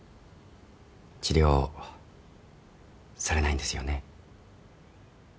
治療されないんですよね。